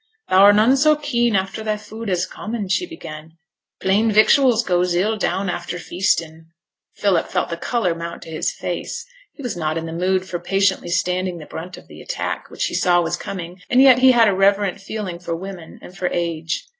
'Thou 're none so keen after thy food as common,' she began. 'Plain victuals goes ill down after feastin'.' Philip felt the colour mount to his face; he was not in the mood for patiently standing the brunt of the attack which he saw was coming, and yet he had a reverent feeling for woman and for age.